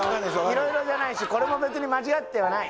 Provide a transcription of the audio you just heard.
いろいろじゃないしこれも別に間違ってはない。